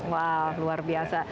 wah luar biasa